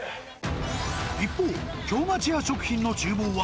一方、京町屋食品のちゅう房は、